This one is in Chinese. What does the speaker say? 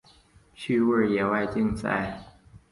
趣味野外竞赛。